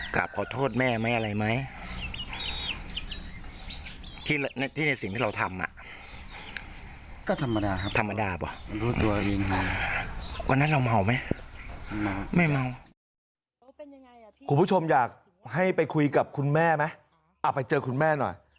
คุณผู้ชมอยากให้ไปคุยกับคุณแม่ไหมเอาไปเจอคุณแม่หน่อย